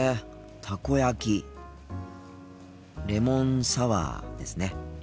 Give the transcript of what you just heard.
たこ焼きレモンサワーですね。